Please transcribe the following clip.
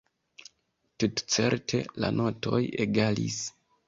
Tutcerte, la notoj egalis.